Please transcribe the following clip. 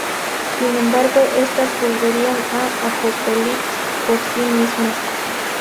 Sin embargo, estas volverían a Apokolips por sí mismas.